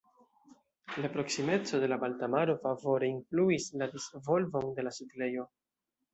La proksimeco de la Balta Maro favore influis la disvolvon de la setlejo.